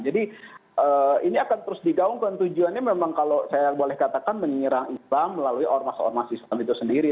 ini akan terus digaungkan tujuannya memang kalau saya boleh katakan menyerang imbang melalui ormas ormas islam itu sendiri